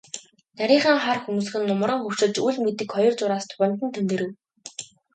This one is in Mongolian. Нарийхан хар хөмсөг нь нумран хөвчилж, үл мэдэг хоёр зураас духанд нь тэмдгэрэв.